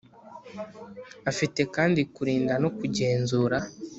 Afite kandi kurinda no kugenzura